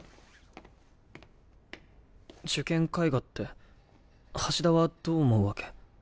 受験絵画って橋田はどう思うわけ？